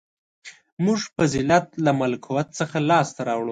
• موږ فضیلت له ملکوت څخه لاسته راوړو.